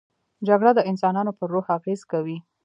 جګړه د انسانانو پر روح اغېز کوي